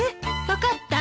分かった？